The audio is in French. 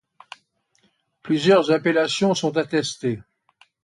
Plusieurs appellations sont attestées.